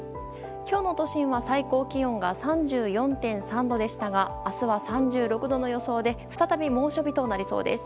今日の都心は最高気温が３４．３度でしたが明日は３６度の予想で再び猛暑日となりそうです。